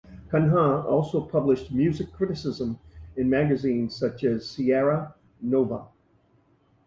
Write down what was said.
Cunha also published music criticism in magazines such as "Seara Nova".